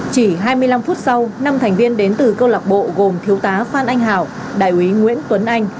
chỉ hai mươi năm phút sau năm thành viên đến từ câu lạc bộ gồm thiếu tá phan anh hảo đại úy nguyễn tuấn anh